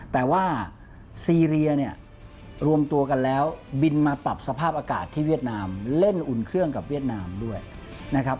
แต่ว่าซีเรียเนี่ยรวมตัวกันแล้วบินมาปรับสภาพอากาศที่เวียดนามเล่นอุ่นเครื่องกับเวียดนามด้วยนะครับ